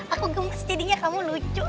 aku gemes jadinya kamu lucu